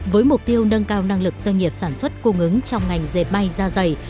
với mục tiêu nâng cao năng lực doanh nghiệp sản xuất cung ứng trong ngành diệt may ra giày